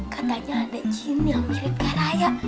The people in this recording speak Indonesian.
katanya ada jin yang mirip karaya